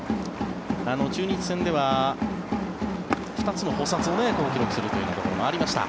中日戦では２つの捕殺を記録するというところもありました。